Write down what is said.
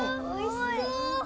おいしそう！